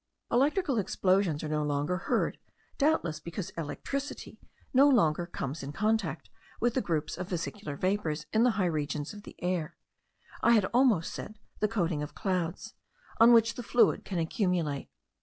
Electrical explosions are no longer heard, doubtless because electricity no longer comes in contact with the groups of vesicular vapours in the high regions of the air, I had almost said the coating of clouds, on which the fluid can accumulate.